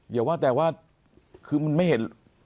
เดี๋ยวว่าแต่ว่าคือมันไม่เห็น